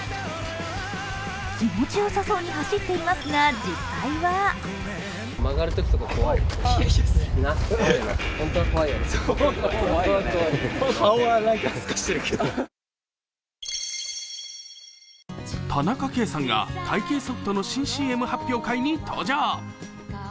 気持ちよさそうに走っていますが、実際は田中圭さんが会計ソフトの新ＣＭ発表会に登場。